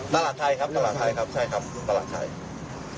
ตลาดไทยครับตลาดไทยครับใช่ครับตลาดไทย